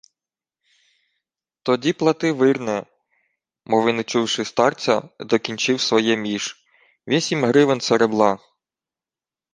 —...тоді плати вирне, — мов і не чувши старця, докінчив своє між. — Вісім гривен серебла.